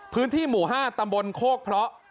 พื้นที่หมู่๕ตำบลโคกเพราะ